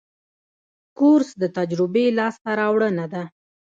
کورس د تجربې لاسته راوړنه ده.